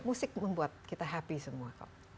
musik membuat kita happy semua